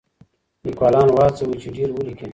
لیکوالان وهڅوئ چې ډېر ولیکي.